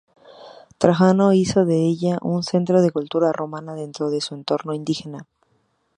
Trajano hizo de ella un centro de cultura romana dentro de su entorno indígena.